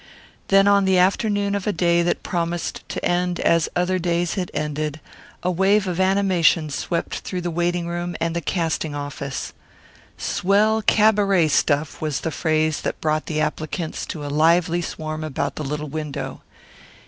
Then on the afternoon of a day that promised to end as other days had ended, a wave of animation swept through the waiting room and the casting office. "Swell cabaret stuff" was the phrase that brought the applicants to a lively swarm about the little window.